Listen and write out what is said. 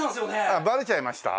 あっバレちゃいました？